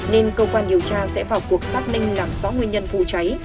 nên cơ quan điều tra sẽ vào cuộc xác ninh làm rõ nguyên nhân phù cháy